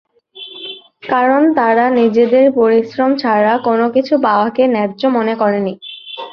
কারণ তারা নিজেদের পরিশ্রম ছাড়া কোনো কিছু পাওয়াকে ন্যায্য মনে করেনি।